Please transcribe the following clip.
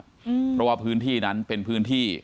เพราะว่าพื้นที่นั้นเป็นพื้นที่